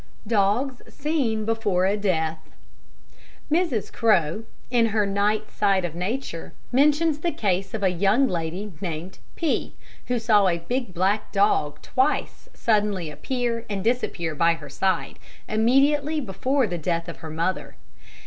Dogs seen before a Death Mrs. Crowe, in her Night Side of Nature, mentions the case of a young lady named P , who saw a big black dog twice suddenly appear and disappear by her side, immediately before the death of her mother.